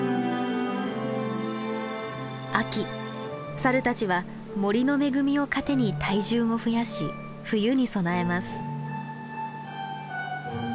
秋サルたちは森の恵みを糧に体重を増やし冬に備えます。